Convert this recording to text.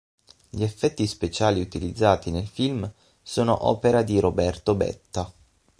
Gli effetti speciali utilizzati nel film sono opera di Roberto Betta.